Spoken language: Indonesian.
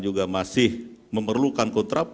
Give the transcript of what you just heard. juga masih memerlukan kontraplow